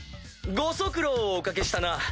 ご足労をお掛けしたな。